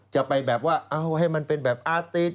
จะไปแบบว่าเอาให้มันเป็นแบบอาติ